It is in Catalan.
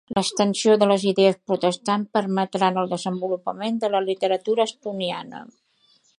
L'extensió de les idees protestants permeteren el desenvolupament de la literatura estoniana.